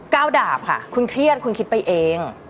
วดาบค่ะคุณเครียดคุณคิดไปเอง